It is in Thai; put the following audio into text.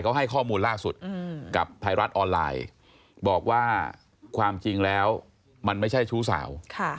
เขาให้ข้อมูลล่าสุดกับไทยรัฐออนไลน์บอกว่าความจริงแล้วมันไม่ใช่ชู้สาว